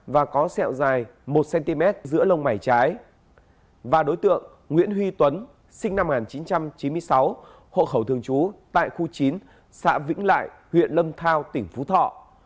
và đối tượng nguyễn huy tuấn sinh năm một nghìn chín trăm chín mươi sáu hộ khẩu thường trú tại khu chín xã vĩnh lại huyện lâm thao tỉnh phú thọ